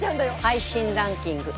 配信ランキング